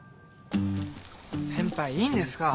先輩いいんですか？